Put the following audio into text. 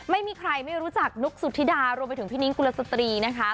ไม่มีใครไม่รู้จักนุ๊กสุธิดารวมไปถึงพี่นิ้งกุลสตรีนะคะ